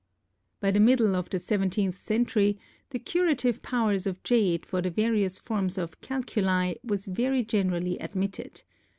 By the middle of the seventeenth century the curative powers of jade for the various forms of calculi was very generally admitted.